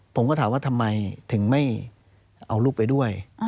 ผมก็ถามว่าทำไมถึงไม่เอาลูกไปด้วย